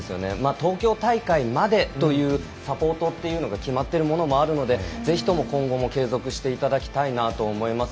東京大会までというサポートというのが決まっているものもあるのでぜひとも今後も継続していただきたいなと思います。